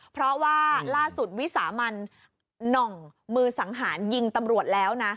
เพราะว่าล่าสุดวิสามันหน่องมือสังหารยิงตำรวจแล้วนะ